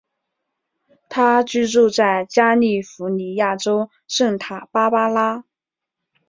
他居住在加利福尼亚州圣塔芭芭拉。